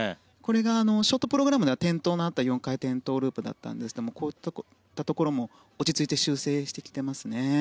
ショートプログラムでは転倒のあった４回転トウループだったんですがこういったところも落ち着いて修正できていますね。